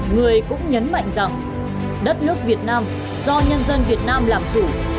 người cũng nhấn mạnh rằng đất nước việt nam do nhân dân việt nam làm chủ